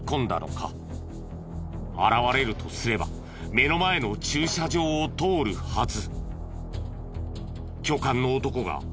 現れるとすれば目の前の駐車場を通るはず。